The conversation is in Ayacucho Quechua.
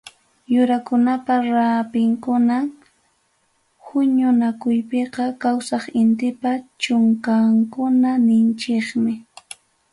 Yurakunapa rapinkunam, huñunakuypiqa kawsaq intipa chunqankuna ninchikmi.